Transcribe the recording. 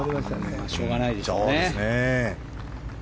しょうがないでしょうね。